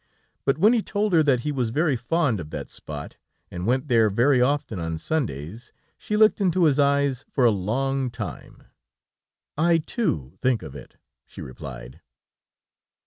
But when he told her that he was very fond of that spot, and went there very often on Sundays, she looked into his eyes for a long time. "I, too, think of it," she replied.